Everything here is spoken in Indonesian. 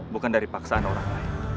bukan dari paksaan orang lain